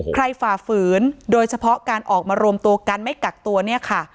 ฝ่าฝืนโดยเฉพาะการออกมารวมตัวกันไม่กักตัวเนี่ยค่ะ